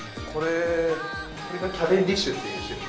これがキャベンディッシュっていう種類。